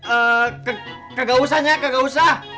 eh kagak usah nya kagak usah